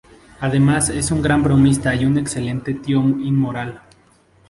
Además es un gran bromista y un excelente tío inmortal.